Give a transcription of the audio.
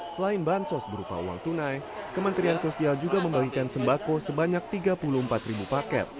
selain bansos berupa uang tunai kementerian sosial juga membagikan sembako sebanyak tiga puluh empat paket